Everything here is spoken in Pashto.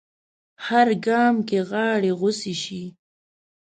هر ګام کې غاړې غوڅې شي